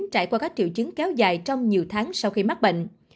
trải qua các triệu chứng kéo dài trong nhiều tháng sau khi mắc bệnh